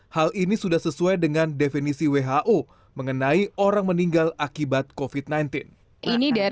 hal ini sudah sesuai dengan definisi who mengenai orang meninggal akibat covid sembilan belas